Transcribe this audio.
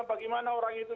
bagaimana orang itu